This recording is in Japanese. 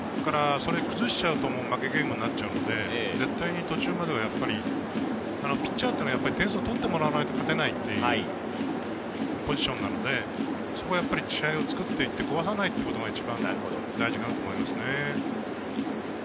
崩しちゃうと負けゲームになっちゃうので絶対に途中まではピッチャーは点数を取ってもらわないと勝てないっていうポジションなので、試合を作って壊さないっていうことが大事かと思いますね。